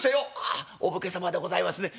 「ああお武家様でございますね。